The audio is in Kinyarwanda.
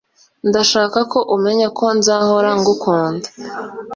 Ndashaka ko umenya ko nzahora ngukunda